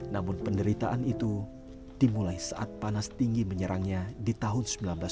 namun penderitaan itu dimulai saat panas tinggi menyerangnya di tahun seribu sembilan ratus sembilan puluh